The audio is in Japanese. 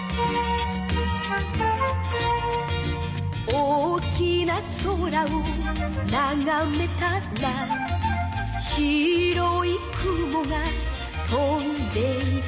「大きな空をながめたら」「白い雲が飛んでいた」